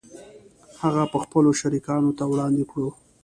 هغه به خپلو شریکانو ته وړاندې کړو